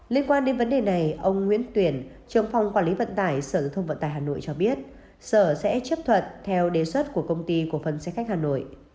liên quan đến vấn đề này ông nguyễn tuyển trưởng phòng quản lý vận tải sở thông vận tải hà nội cho biết sở sẽ chấp thuận theo đề xuất của công ty cổ phần xe khách hà nội